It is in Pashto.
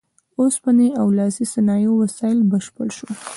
اوسپنې او لاسي صنایعو وسایل بشپړ شول.